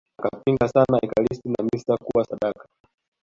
Akapinga sana Ekaristi na misa kuwa sadaka